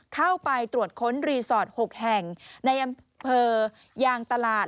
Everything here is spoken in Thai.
เข้าไปตรวจค้นรีสอร์ท๖แห่งในอำเภอยางตลาด